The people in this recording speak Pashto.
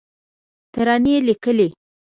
ترانې لیکې